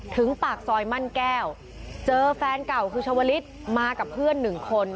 ปากซอยมั่นแก้วเจอแฟนเก่าคือชาวลิศมากับเพื่อนหนึ่งคน